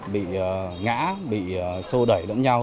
bị ngã bị sô đẩy lẫn nhau